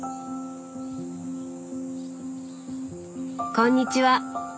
こんにちは。